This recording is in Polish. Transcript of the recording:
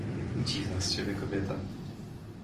— Dziwna z ciebie kobieta.